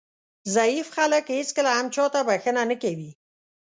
ضعیف خلک هېڅکله هم چاته بښنه نه کوي.